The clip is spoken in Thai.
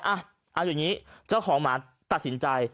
เอาอย่างนี้เจ้าของหมาตัดสินใจ